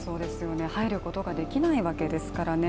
入ることができないわけですからね。